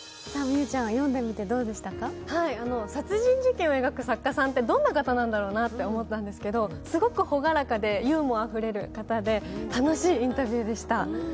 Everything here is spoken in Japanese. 殺人事件を描く作家さんってどんな方なのかなと思ったんですけど、すごく朗らかでユーモアあふれる方で楽しいインタビューでした。